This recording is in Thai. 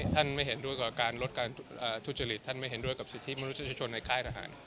ไม่เห็นด้วยกับการลดการทุจริตท่านไม่เห็นด้วยกับสิทธิมนุษยชนในค่ายทหาร